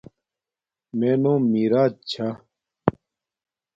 مے نوم میراج چھا